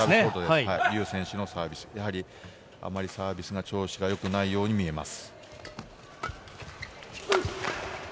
リュウ選手のサービス、あまりサービスの調子が良くないように見えます。